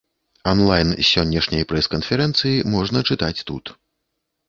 Анлайн з сённяшняй прэс-канферэнцыі можна чытаць тут.